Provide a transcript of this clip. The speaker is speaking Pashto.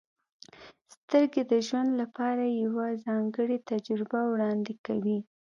• سترګې د ژوند لپاره یوه ځانګړې تجربه وړاندې کوي.